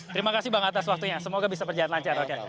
terima kasih bang atas waktunya semoga bisa berjalan lancar